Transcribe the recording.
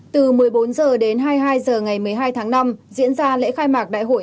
từ một mươi bốn h đến hai mươi hai h ngày một mươi hai tháng năm diễn ra lễ khai mạc đại hội